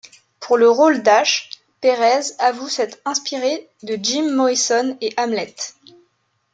Pour le rôle d'Ashe, Perez avoue s'être inspiré de Jim Morrison et Hamlet.